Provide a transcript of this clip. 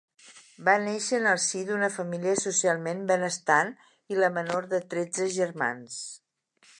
Va néixer en el si d'una família socialment benestant, i la menor de tretze germans.